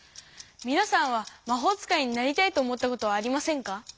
みなさんはまほう使いになりたいと思ったことはありませんか？